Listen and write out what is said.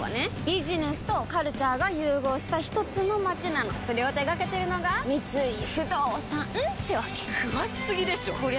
ビジネスとカルチャーが融合したひとつの街なのそれを手掛けてるのが三井不動産ってわけ詳しすぎでしょこりゃ